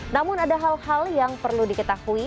namun ada hal hal yang perlu diketahui